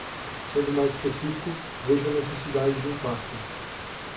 Sendo mais específico, vejo a necessidade de um pacto